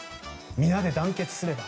「みなで団結すれば」